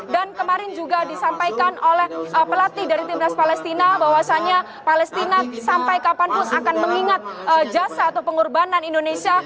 dan kemarin juga disampaikan oleh pelatih dari timnas palestina bahwasannya palestina sampai kapanpun akan mengingat jasa atau pengorbanan indonesia